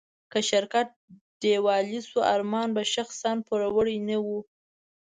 که شرکت ډيوالي شو، ارمان به شخصاً پوروړی نه و.